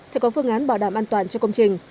phải có phương án bảo đảm an toàn cho công trình